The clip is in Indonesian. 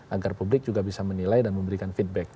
agar publik juga bisa menilai dan memberikan feedback